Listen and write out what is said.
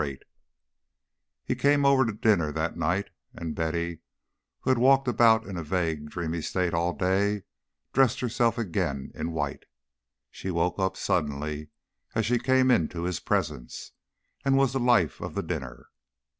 VIII He came over to dinner that night, and Betty, who had walked about in a vague dreamy state all day, dressed herself again in white. She woke up suddenly as she came into his presence, and was the life of the dinner.